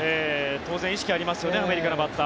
当然、意識がありますよねアメリカのバッター。